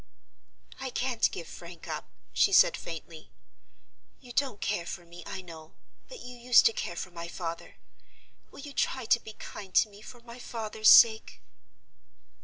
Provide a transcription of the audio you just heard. "I can't give Frank up," she said, faintly. "You don't care for me, I know; but you used to care for my father. Will you try to be kind to me for my father's sake?"